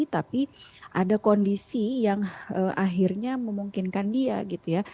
tapi ada kondisi yang akhirnya memungkinkan dia gitu ya